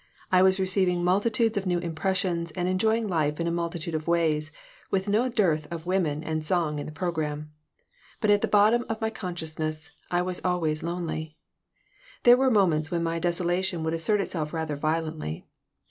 I was receiving multitudes of new impressions and enjoying life in a multitude of ways, with no dearth of woman and song in the program. But at the bottom of my consciousness I was always lonely There were moments when my desolation would assert itself rather violently.